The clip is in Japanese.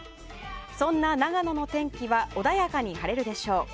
そんな長野の天気は穏やかに晴れるでしょう。